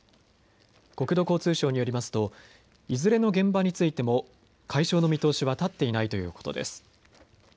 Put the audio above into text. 国土交通省によりますといずれの現場についても解消の見通しは立っていないということです。